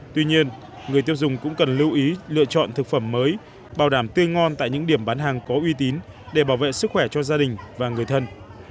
tuy nhiên người tiêu dùng cũng cần lưu ý lựa chọn thực phẩm mới bảo đảm tươi ngon tại những điểm bán hàng có uy tín để bảo vệ sức khỏe cho gia đình và người thân